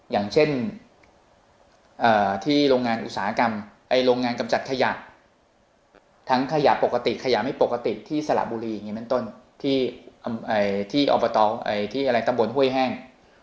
อย่างเช่นที่โรงงานกำจัดขยะทั้งขยะปกติขยะไม่ปกติที่สระบุรีที่ตำบวนห้วยแห้ง